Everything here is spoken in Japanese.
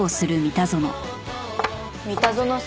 三田園さん